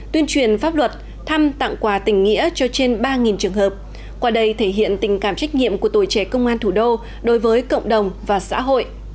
tuyên truyền pháp luật thăm tặng quà tình nghĩa cho trên ba trường hợp qua đây thể hiện tình cảm trách nhiệm của tuổi trẻ công an thủ đô đối với cộng đồng và xã hội